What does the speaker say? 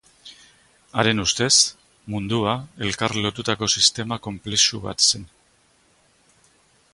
Haren ustez mundua elkar lotutako sistema konplexu bat zen.